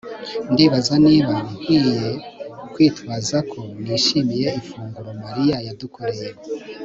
Ndibaza niba nkwiye kwitwaza ko nishimiye ifunguro Mariya yadukoreye